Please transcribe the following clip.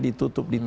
ditutup negara ini